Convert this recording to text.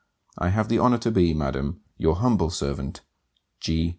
I have the honour to be, madam Your humble servant, G.